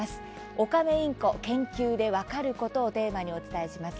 オカメインコ研究でわかること」をテーマにお伝えします。